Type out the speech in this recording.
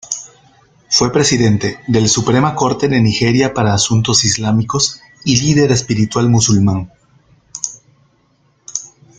Fue Presidente del Suprema Corte de Nigeria para Asuntos Islámicos y líder espiritual musulmán.